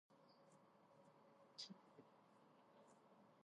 მარსს ტყეებში მსხვერპლად სწირავდნენ ხარს.